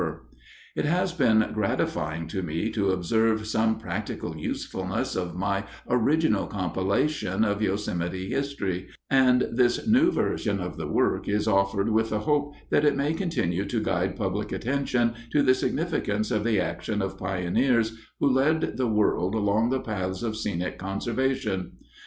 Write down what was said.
_ _It has been gratifying to me to observe some practical usefulness of my original compilation of Yosemite history, and this new version of the work is offered with the hope that it may continue to guide public attention to the significance of the action of pioneers who led the world along the paths of scenic conservation.